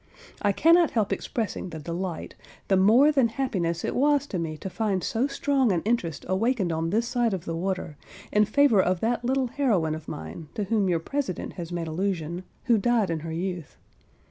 I cannot help expressing the delight, the more than happiness it was to me to find so strong an interest awakened on this side of the water, in favour of that little heroine of mine, to whom your president has made allusion, who died in her youth.